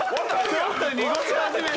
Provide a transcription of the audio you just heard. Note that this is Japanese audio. ちょっと濁し始めた！